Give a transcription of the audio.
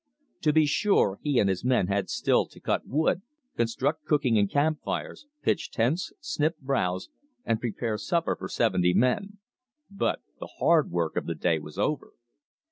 To be sure he and his men had still to cut wood, construct cooking and camp fires, pitch tents, snip browse, and prepare supper for seventy men; but the hard work of the day was over.